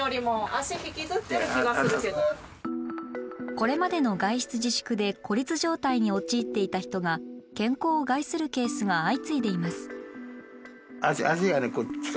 これまでの外出自粛で孤立状態に陥っていた人が健康を害するケースが相次いでいます。